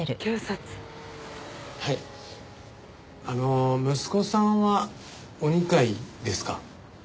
あの息子さんはお２階ですか？